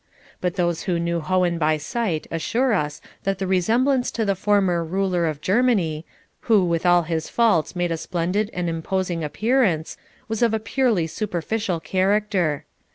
But those who knew Hohen by sight assure us that the resemblance to the former ruler of Germany, who with all his faults made a splendid and imposing appearance, was of a purely superficial character.